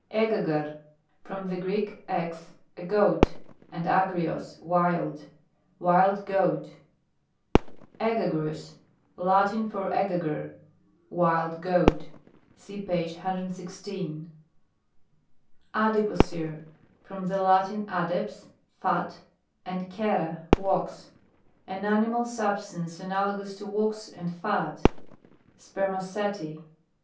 ^EGAGRE. From the Greek, nix, a goat, and agrios, wild : wild goat. J!EGAGRUS. Latin for JEgngre: wild goat. (See page 116.) ADIPOCIRE From the Latin adeps, fat, and cera, wax: an animal sub stance analogous to wax and fat; spermaceti.